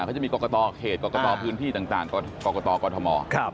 เขาจะมีกำกะตอเหตุกำกะตอพื้นที่ต่างกกำกะตอกธหมอ